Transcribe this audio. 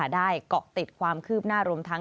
ได้เกาะติดความคืบหน้ารวมทั้ง